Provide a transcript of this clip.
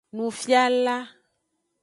Nufiala.